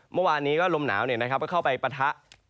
เมื่อวานนี้ก็ลมหนาวก็เข้าไปปะทะ